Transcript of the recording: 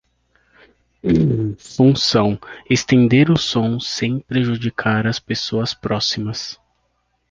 Função: estender o som, sem prejudicar as pessoas próximas.